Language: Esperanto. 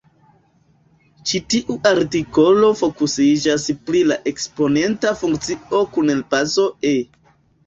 Ĉi tiu artikolo fokusiĝas pri la eksponenta funkcio kun bazo "e".